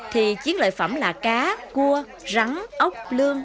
thì chiến loại phẩm là cá cua rắn ốc lương